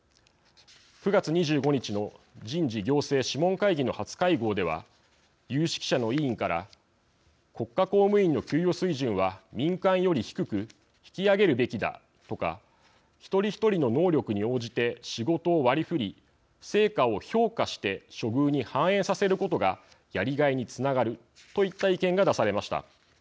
９月２５日の人事行政諮問会議の初会合では有識者の委員から「国家公務員の給与水準は民間より低く引き上げるべきだ」とか「１人１人の能力に応じて仕事を割り振り、成果を評価して処遇に反映させることがやりがいにつながる」といった意見が出されました。